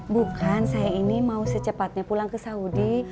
bukan saya ini mau secepatnya pulang ke saudi